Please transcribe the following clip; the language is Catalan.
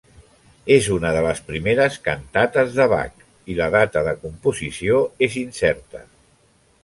És una de les primeres cantates de Bach i la data de composició és incerta.